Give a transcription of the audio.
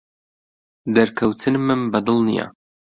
دەرکەوتنمم بەدڵ نییە.